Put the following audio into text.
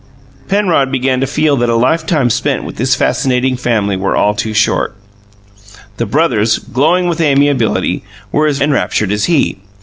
Penrod began to feel that a lifetime spent with this fascinating family were all too short. The brothers, glowing with amiability, were as enraptured as he.